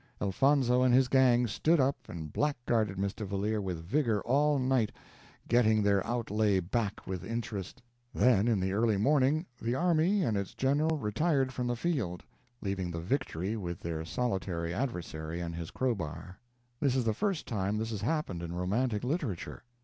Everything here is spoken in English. Elfonzo and his gang stood up and black guarded Mr. Valeer with vigor all night, getting their outlay back with interest; then in the early morning the army and its general retired from the field, leaving the victory with their solitary adversary and his crowbar. This is the first time this has happened in romantic literature.